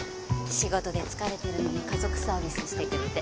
仕事で疲れてるのに家族サービスしてくれて。